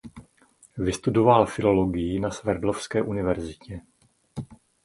Vystudoval filologii na Sverdlovské univerzitě.